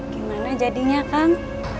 gimana jadinya akang